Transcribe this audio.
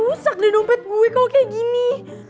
misak deh dompet gue kalau kayak gini